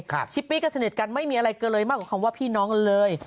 ค่ะชิปปี้ก็เสน็จกันไม่มีอะไรเกลือเลยมากกว่าคำว่าพี่น้องเลย